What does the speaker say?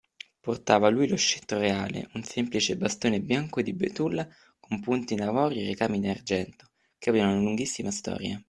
Portava lui lo scettro reale, un semplice bastone bianco di betulla con punta in avorio e ricami in argento, che aveva una lunghissima storia.